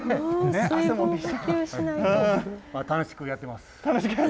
楽しくやってます。